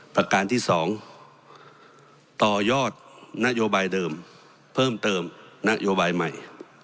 ประการที่๒ต่อยอดนโยบายเดิมเพิ่มเติมนโยบายใหม่